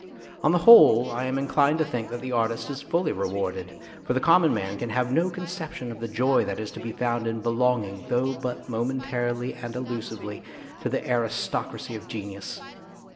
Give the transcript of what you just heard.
On the whole, I am inclined to think that the artist is fully rewarded, for the common man can have no conception of the joy that is to be found in belonging, though but momen tarily and illusively, to the aristocracy of genius.